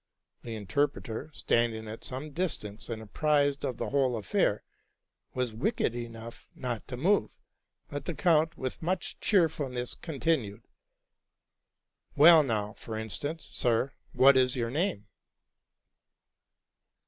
The interpreter, standing at some distance, and apprised of the whole affair, was wicked enough not to move; but the count, with much cheerfulness, continued, *' Well, now, for instance, sir, what is your name?